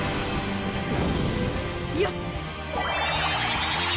よし！